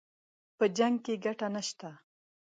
په جـنګ كښې ګټه نشته